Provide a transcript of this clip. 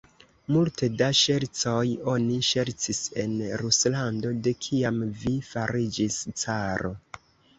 Multe da ŝercoj oni ŝercis en Ruslando, de kiam vi fariĝis caro!